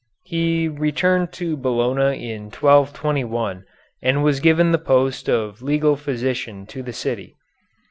He returned to Bologna in 1221 and was given the post of legal physician to the city.